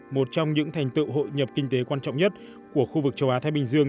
một trong những thành tựu hội nhập kinh tế quan trọng nhất của khu vực châu á thái bình dương